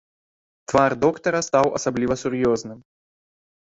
Твар доктара стаў асабліва сур'ёзным.